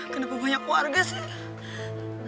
kenapa banyak warga sih